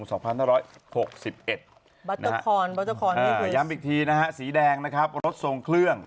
เตอร์คอนบัตเตอร์คอนขอย้ำอีกทีนะฮะสีแดงนะครับรถทรงเครื่อง